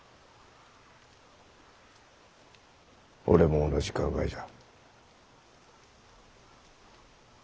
俺も同じ考えじゃ。